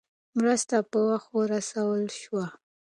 مرسته په وخت ورسول شوه.